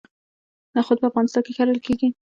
نخود په افغانستان کې کرل کیږي.